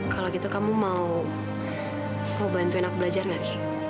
kalau gitu kamu mau bantuin aku belajar gak sih